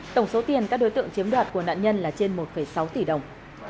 tổng số tiền các đối tượng chiếm đoạt của nạn nhân là trên một sáu tỷ đồng